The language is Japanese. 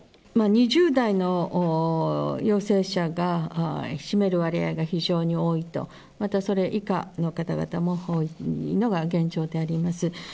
２０代の陽性者が、占める割合が非常に多いと、またそれ以下の方々も多いのが現状であります。